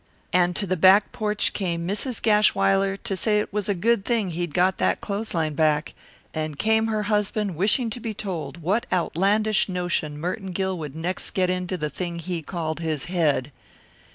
And to the back porch came Mrs. Gashwiler to say it was a good thing he'd got that clothesline back, and came her husband wishing to be told what outlandish notion Merton Gill would next get into the thing he called his head.